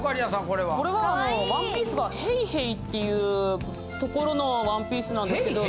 これはあのワンピースがヘイヘイっていうところのワンピースなんですけど。